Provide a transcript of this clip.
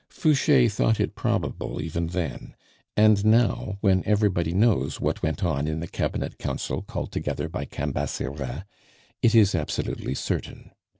Fouche thought it probable even then; and now, when everybody knows what went on in the Cabinet Council called together by Cambaceres, it is absolutely certain.